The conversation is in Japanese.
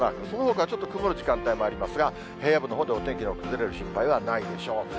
そのほかはちょっと曇る時間帯もありますが、平野部のほうでお天気の崩れる心配はないでしょう。